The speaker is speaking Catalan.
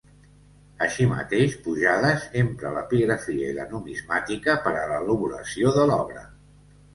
Així mateix Pujades empra l'epigrafia i la numismàtica per a l'elaboració de l'obra.